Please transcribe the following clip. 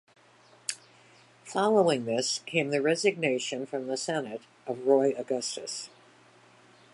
Following this came the resignation from the Senate of Roy Augustus.